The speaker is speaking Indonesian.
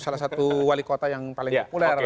salah satu wali kota yang paling populer